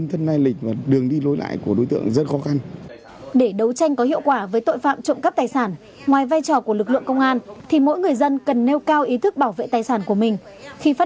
khi phát hiện các đối tượng có hiệu quả với tội phạm trộm cắp tài sản ngoài vai trò của lực lượng công an thì mỗi người dân cần nêu cao ý thức bảo vệ tài sản của mình